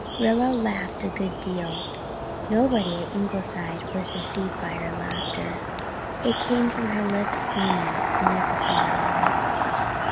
Rilla laughed a good deal. Nobody at Ingleside was deceived by her laughter; it came from her lips only, never from her heart.